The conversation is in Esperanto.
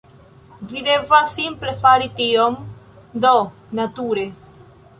Vi devas simple fari tion... do nature...